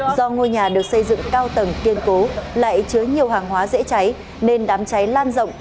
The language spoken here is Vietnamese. do ngôi nhà được xây dựng cao tầng kiên cố lại chứa nhiều hàng hóa dễ cháy nên đám cháy lan rộng